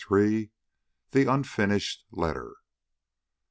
THE UNFINISHED LETTER.